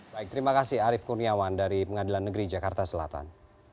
baik terima kasih arief kurniawan dari pengadilan negeri jakarta selatan